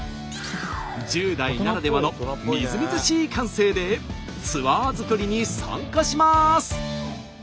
１０代ならではのみずみずしい感性でツアー作りに参加します。